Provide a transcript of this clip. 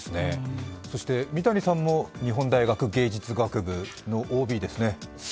そして三谷さんも日本大学芸術学部のＯＢですね。